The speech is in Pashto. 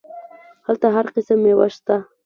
هلته هر قسم ميوه سته.